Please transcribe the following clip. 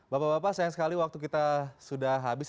bapak bapak sayang sekali waktu kita sudah habis